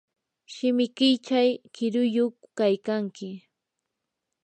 shimikiychaw qiriyuq kaykanki.